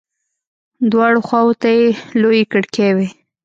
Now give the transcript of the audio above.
دواړو خواو ته يې لويې کړکۍ وې.